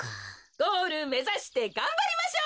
ゴールめざしてがんばりましょう！